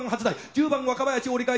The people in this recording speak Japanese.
１０番若林折返。